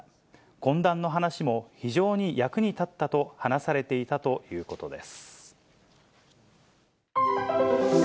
懇談の話も非常に役に立ったと話されていたということです。